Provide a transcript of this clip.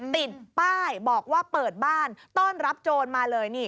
ติดป้ายบอกว่าเปิดบ้านต้อนรับโจรมาเลยนี่